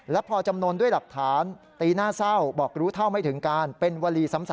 และพอจำนวนด้วยหลักฐานตีหน้าเศร้าบอกรู้เท่าไม่ถึงการเป็นวลีซ้ำ